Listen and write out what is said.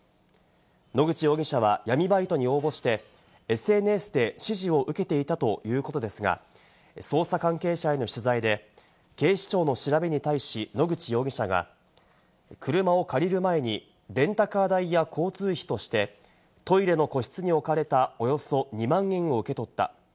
野口容疑者は闇バイトに応募してＳＮＳて指示を受けていたということですが、捜査関係者への取材で、警視庁の調べに対し、野口容疑者が車を借りる前にレンタカー代や交通費としてトイレの個室に置かれたおよそ２万円を受け取った。